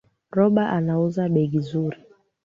Roba anauza begi zuri